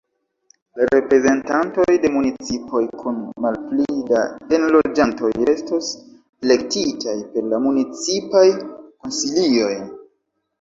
La reprezentantoj de municipoj kun malpli da enloĝantoj restos elektitaj per la municipaj konsilioj.